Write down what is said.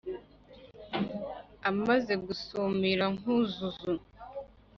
amaze gusumira nkuzuzu